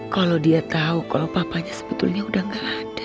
kalo dia tau kalo papanya sebetulnya udah gak ada